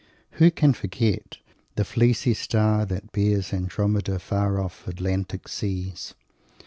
Who can forget "the fleecy star that bears Andromeda far off Atlantic seas"?